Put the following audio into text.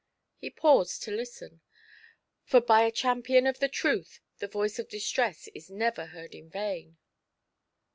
He paused to listen, for by a champion of the Truth the voice of distress is never heard in vain.